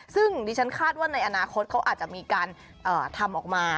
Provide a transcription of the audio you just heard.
ซึ่งดิฉันคาดว่าในอนาคตเขาอาจจะมีการทำออกมา